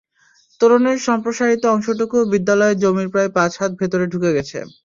তোরণের সম্প্রসারিত অংশটুকু বিদ্যালয়ের জমির প্রায় পাঁচ হাত ভেতরে ঢুকে গেছে।